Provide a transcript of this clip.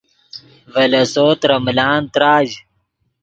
ڤے لیسو ترے ملان تراژ